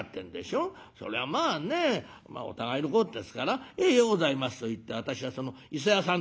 そりゃまあねお互いのことですから『ええようございます』と言って私はその伊勢屋さん